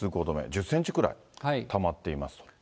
１０センチくらいたまっていますと。